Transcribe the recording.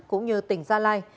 cũng như tỉnh gia lai